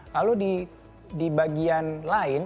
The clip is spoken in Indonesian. lalu di bagian lain